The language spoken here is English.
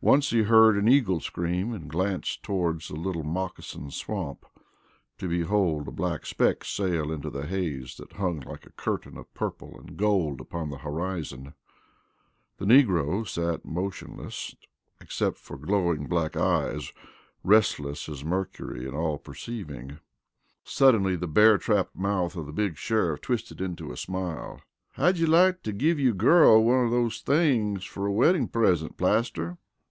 Once he heard an eagle scream, and glanced toward the Little Mocassin swamp to behold a black speck sail into the haze that hung like a curtain of purple and gold upon the horizon. The negro sat motionless except for glowing black eyes restless as mercury and all perceiving. Suddenly the bear trap mouth of the big sheriff twisted into a little smile. "How'd you like to give your girl one of these things for a wedding present, Plaster?"